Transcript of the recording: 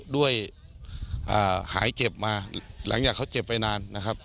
ด้วยหายเจ็บมาหลังจากเขาเจ็บไปนานนะครับ